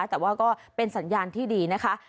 แต่ว่าก็เป็นสัญญาณที่ดีนะคะ